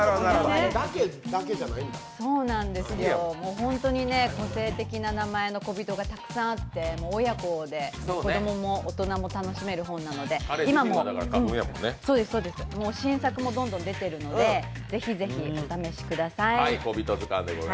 本当に個性的な名前のこびとがたくさんあって、親子で子供も親も楽しめる本なので、新作もどんどん出ているのでぜひぜひ、お試しください。